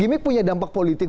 gimik punya dampak politik